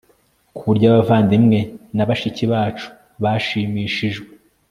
ku buryo abavandimwe na bashiki bacu bashimishijwe